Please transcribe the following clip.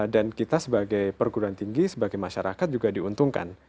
dan kita sebagai perguruan tinggi sebagai masyarakat juga diuntungkan